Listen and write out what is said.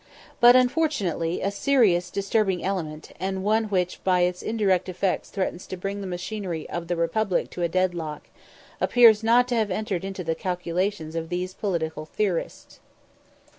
But unfortunately, a serious disturbing element, and one which by its indirect effects threatens to bring the machinery of the Republic to a "dead lock," appears not to have entered into the calculations of these political theorists.